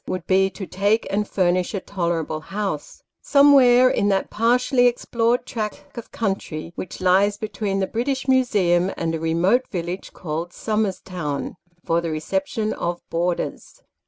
would be to take and furnish a tolerable house somewhere in that partially explored tract of country which lies between the British Museum, and a remote village called Somers Town for the reception of boarders.